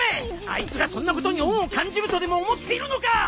あいつがそんなことに恩を感じるとでも思っているのか！？